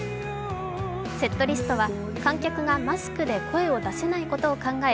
セットリストは観客がマスクで声を出せないことを考え